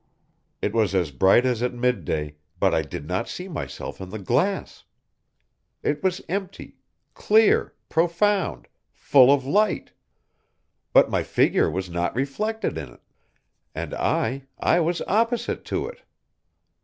It was as bright as at midday, but I did not see myself in the glass!... It was empty, clear, profound, full of light! But my figure was not reflected in it ... and I, I was opposite to it!